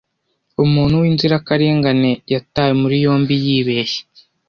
Umuntu winzirakarengane yatawe muri yombi yibeshye.